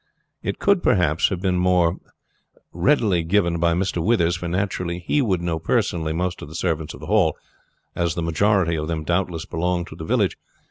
It could, perhaps, have been more readily given by Mr. Withers, for naturally he would know personally most of the servants of the Hall, as the majority of them doubtless belong to the village.